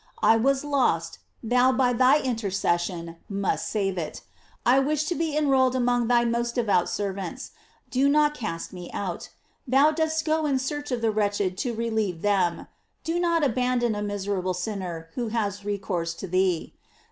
It was lost; thou, by thy interces sion, must save it. I wish to be enrolled amohg thy most devoted servants; do not cast me out. thou dost go in search of the wretched to relieve them; do not abandon a miserable sinner who has recourse to thee.